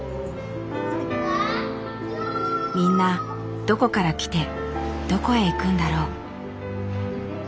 みんなどこから来てどこへ行くんだろう。